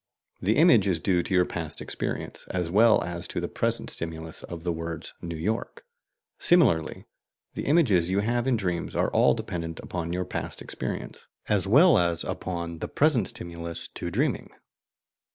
The image is due to your past experience, as well as to the present stimulus of the words "New York." Similarly, the images you have in dreams are all dependent upon your past experience, as well as upon the present stimulus to dreaming.